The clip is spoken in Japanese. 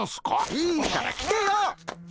いいから来てよ！